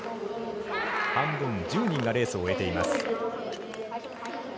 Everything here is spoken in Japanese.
半分、１０人がレースを終えています。